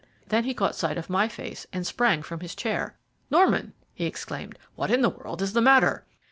Then he caught sight of my face, and sprang from his chair. "Norman!" he exclaimed; "what in the world is the matter?"